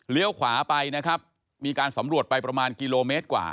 ขวาไปนะครับมีการสำรวจไปประมาณกิโลเมตรกว่า